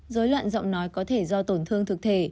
dối loạn giọng nói có thể do tổn thương thực thể